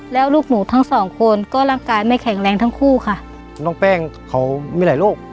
แล้วลูกหนูทั้งสองคนก็ร่างกายไม่แข็งแรงทั้งคู่ค่ะน้องแป้งเขามีหลายโรค